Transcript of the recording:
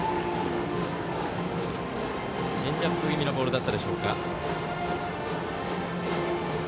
チェンジアップ気味のボールだったでしょうか。